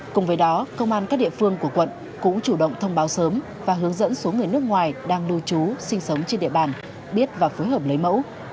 cùng với đó công an các địa phương của quận cũng chủ động thông báo sớm và hướng dẫn số người nước ngoài đang lưu trú sinh sống trên địa bàn biết và phối hợp lấy mẫu